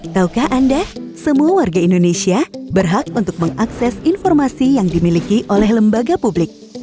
taukah anda semua warga indonesia berhak untuk mengakses informasi yang dimiliki oleh lembaga publik